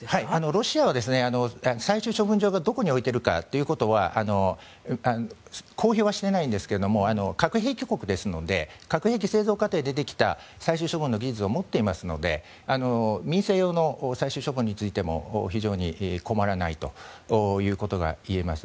ロシアは最終処分場をどこに置いてるかということは公表はしてないんですが核兵器国ですので核兵器製造過程でできた最終処分の技術を持っていますので民生用の最終処分についても非常に困らないということがいえます。